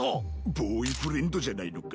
ボーイフレンドじゃないのか？